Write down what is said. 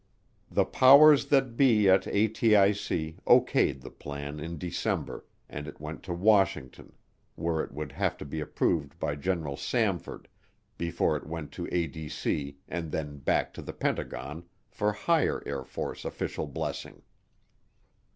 The powers that be at ATIC O.K.'d the plan in December and it went to Washington, where it would have to be approved by General Samford before it went to ADC and then back to the Pentagon for higher Air Force official blessing.